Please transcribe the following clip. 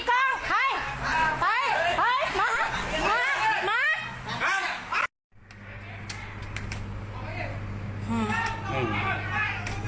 พี่น้ำอะไรนะพี่น้ำพัฒนี่